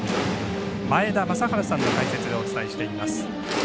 前田正治さんの解説でお伝えしています。